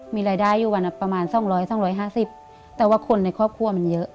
มีรายได้อยู่วันประมาณ๒๐๐๒๕๐แต่ว่าคนในครอบครัวมันเยอะ